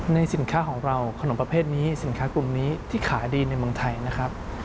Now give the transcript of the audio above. สินค้าของเราขนมประเภทนี้สินค้ากลุ่มนี้ที่ขายดีในเมืองไทยนะครับ